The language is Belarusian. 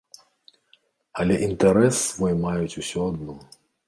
Але інтарэс свой маюць усё адно.